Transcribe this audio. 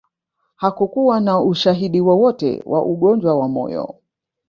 Hakukuwa na ushahidi wowote wa ugonjwa wa moyo